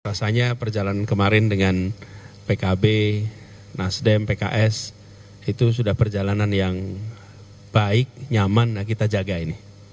rasanya perjalanan kemarin dengan pkb nasdem pks itu sudah perjalanan yang baik nyaman kita jaga ini